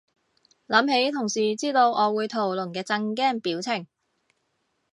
諗起同事知道我會屠龍嘅震驚表情